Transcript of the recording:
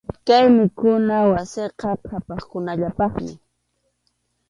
Kay mikhuna wasiqa qhapaqkunallapaqmi.